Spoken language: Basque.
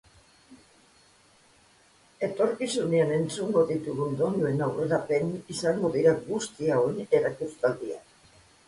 Etorkizunean entzungo ditugun doineun aurrerapen bat izango dira guzti hauen erakustaldiak.